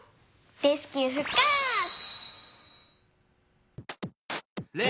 レスキューふっかつ！